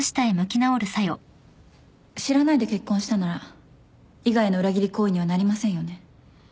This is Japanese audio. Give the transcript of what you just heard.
知らないで結婚したなら伊賀への裏切り行為にはなりませんよね？